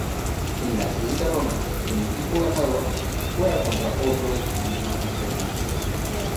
En la siguiente ronda, el equipo ganador juega contra otro de su misma conferencia.